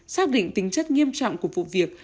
xác định tính chất nghiêm trọng của vụ việc